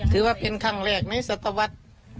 ถือว่าเป็นครั้งแรกในศตวรรษ